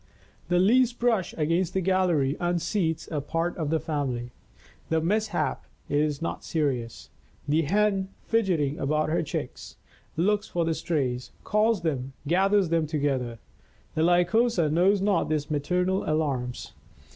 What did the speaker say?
The least brush against the gallery unseats a part of the family. The mishap is not serious. The Hen, fidgeting about her Chicks, looks for the strays, calls them, gathers them together. The Lycosa knows not these maternal alarms.